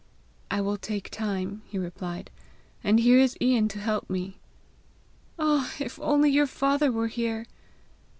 "I will take time," he replied. "And here is Ian to help me!" "Ah! if only your father were here!"